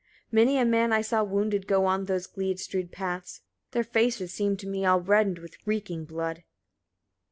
59. Many a man I saw wounded go on those gleed strewed paths; their faces seemed to me all reddened with reeking blood.